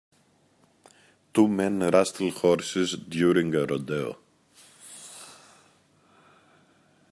Two men rustle horses during a rodeo.